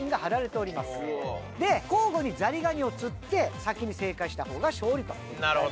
で交互にザリガニを釣って先に正解した方が勝利と。